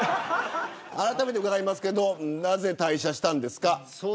あらためて伺いますけどなぜ退社したんですか。